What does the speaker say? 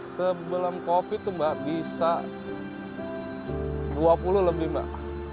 sebelum covid itu mbak bisa dua puluh lebih mbak